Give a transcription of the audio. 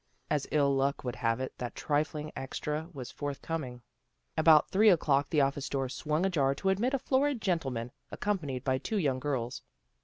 As ill luck would have it, that trifling extra was forthcoming. About three o'clock the office door swung ajar to admit a florid gentleman, accompanied by two "young girls.